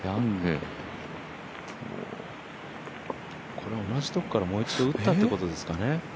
これ、同じところからもう１回打ったってことですかね。